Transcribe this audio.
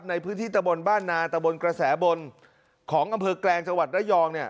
ในพื้นที่ตะบนบ้านนาตะบนกระแสบนของอำเภอแกลงจังหวัดระยองเนี่ย